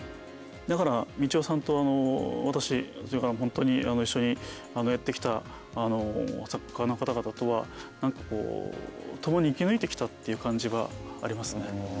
だから道尾さんと私それから一緒にやってきた作家の方々とは何かこう共に生き抜いてきたっていう感じはありますね。